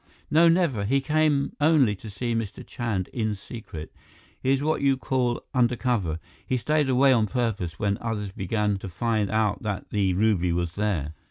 "No, never. He came only to see Mr. Chand in secret. He is what you call undercover. He stayed away on purpose, when others began to find out that the ruby was there.